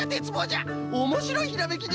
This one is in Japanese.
おもしろいひらめきじゃね！